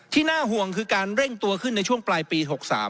น่าห่วงคือการเร่งตัวขึ้นในช่วงปลายปี๖๓